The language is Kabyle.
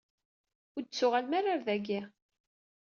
Ur d-tettuɣalem ara ɣer dagi.